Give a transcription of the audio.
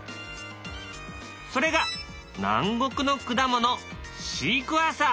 それが南国の果物